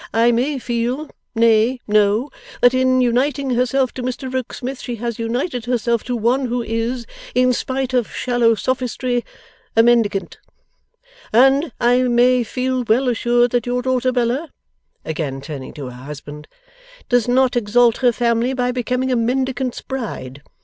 I may feel nay, know that in uniting herself to Mr Rokesmith she has united herself to one who is, in spite of shallow sophistry, a Mendicant. And I may feel well assured that your daughter Bella,' again turning to her husband, 'does not exalt her family by becoming a Mendicant's bride.